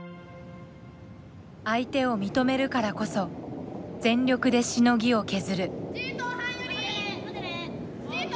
相手を認めるからこそ全力でしのぎを削る。